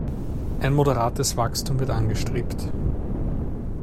Ein moderates Wachstum wird angestrebt.